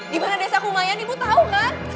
dimana desa humayan ibu tau kan